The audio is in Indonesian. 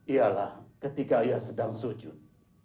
ialah ketika ia sedang sujud